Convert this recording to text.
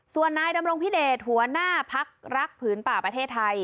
ส่วนนายดำรงพิเดชหัวหน้าพักรักผืนป่าประเทศไทย